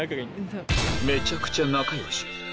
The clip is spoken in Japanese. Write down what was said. めちゃくちゃ仲よし。